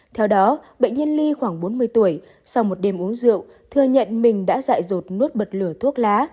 theo đó bệnh nhân ly khoảng bốn mươi tuổi sau một đêm uống rượu thừa nhận mình đã dạy rột nuốt bật lửa thuốc lá